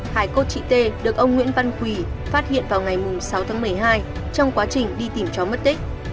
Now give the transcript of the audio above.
hai cốt chị t được ông nguyễn văn quỳ phát hiện vào ngày sáu tháng một mươi hai trong quá trình đi tìm cháu mất tích